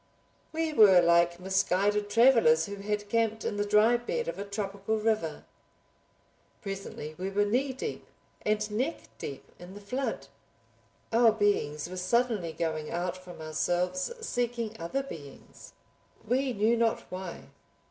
We were like misguided travelers who had camped in the dry bed of a tropical river. Presently we were knee deep and neck deep in the flood. Our beings were suddenly going out from ourselves seeking other beings—we knew not why.